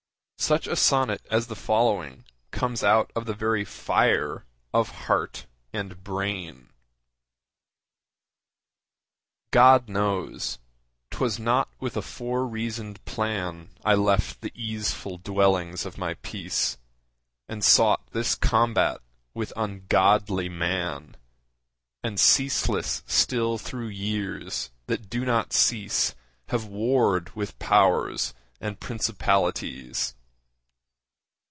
Such a sonnet as the following comes out of the very fire of heart and brain: God knows, 'twas not with a fore reasoned plan I left the easeful dwellings of my peace, And sought this combat with ungodly Man, And ceaseless still through years that do not cease Have warred with Powers and Principalities.